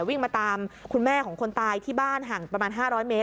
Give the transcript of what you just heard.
วิ่งมาตามคุณแม่ของคนตายที่บ้านห่างประมาณ๕๐๐เมตร